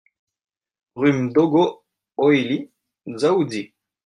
Rue M'Dogo Oili, Dzaoudzi